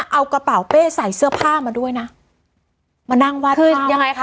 เอากระเป๋าเป้ใส่เสื้อผ้ามาด้วยนะมานั่งวาดยังไงคะ